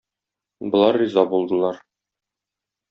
Болар риза булдылар.